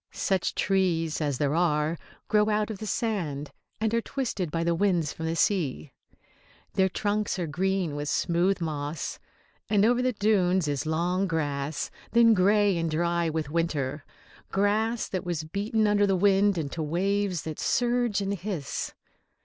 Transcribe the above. Such trees as there are grow out of the sand, and are twisted by the winds from the sea. Their trunks are green with smooth moss. And over the dunes is long grass, then grey and dry with winter, grass that was beaten under the wind into waves that surge and hiss.